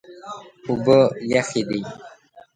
اوبه یخې دي.